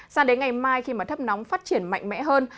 sáng đến ngày mai khi thấp nóng phát triển mạnh mẽ hơn